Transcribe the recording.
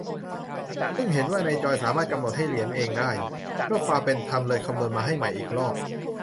เพิ่งเห็นว่าในจอยสามารถกำหนดให้เหรียญเองได้ เพื่อความเป็นธรรมเลยคำนวนมาให้ใหม่อีกรอบ